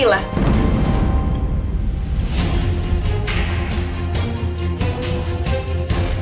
dia kan kalau rev